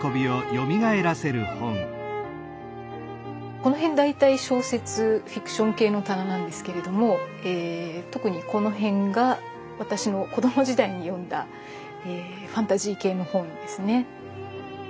この辺大体小説フィクション系の棚なんですけれども特にこの辺が私の子供時代に読んだファンタジー系の本ですね。